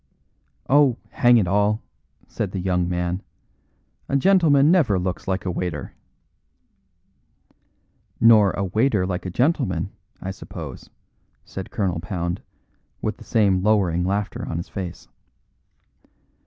"Oh, hang it all!" said the young man, "a gentleman never looks like a waiter." "Nor a waiter like a gentleman, I suppose," said Colonel Pound, with the same lowering laughter on his face.